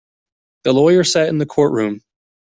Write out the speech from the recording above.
The lawyer sat in the courtroom.